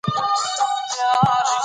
دوی باید اور بل کړی وای.